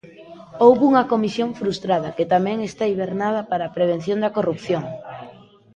Houbo unha comisión frustrada, que tamén está hibernada, para a prevención da corrupción.